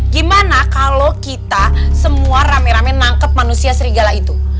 gimana kalau kita semua rame rame nangkep manusia serigala itu